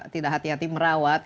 tidak hati hati merawat